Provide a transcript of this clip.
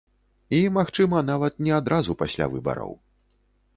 І, магчыма, нават не адразу пасля выбараў.